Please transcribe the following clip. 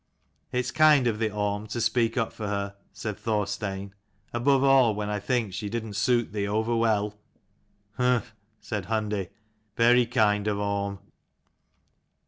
"It's kind of thee, Orm, to speak up for her," said Thorstein: "above all, when I think she didn't suit thee over well." " Humph, " said Hundi, " very kind of Orm."